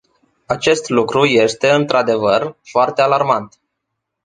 Acest lucru este, într-adevăr, foarte alarmant.